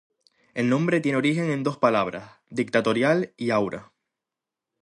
El nombre tiene origen en dos palabras: Dictatorial y Aura.